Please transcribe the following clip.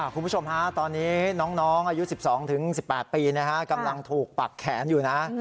คุณผู้ชมฮะตอนนี้น้องอายุ๑๒๑๘ปีกำลังถูกปักแขนอยู่นะ